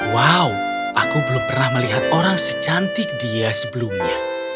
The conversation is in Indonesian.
wow aku belum pernah melihat orang secantik dia sebelumnya